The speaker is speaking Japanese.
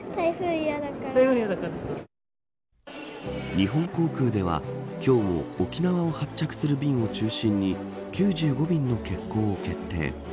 日本航空では、今日も沖縄を発着する便を中心に９５便の欠航を決定。